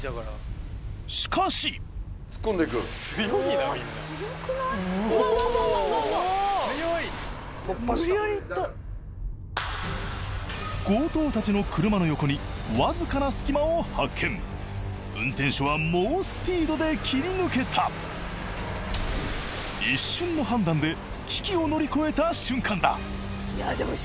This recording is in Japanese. しかし強盗達の車の横にわずかな隙間を発見運転手は猛スピードで切り抜けた一瞬の判断で危機を乗り越えた瞬間だ